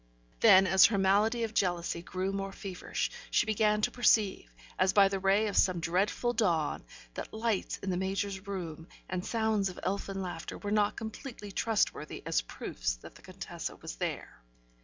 Then, as her malady of jealousy grew more feverish, she began to perceive, as by the ray of some dreadful dawn, that lights in the Major's room and sounds of elfin laughter were not completely trustworthy as proofs that the Contessa was there.